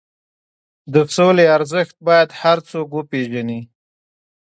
د سولې ارزښت باید هر څوک وپېژني.